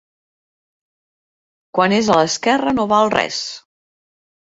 Quan és a l'esquerra no val res.